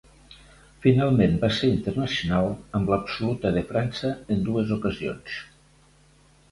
Finalment, va ser internacional amb l'absoluta de França en dues ocasions.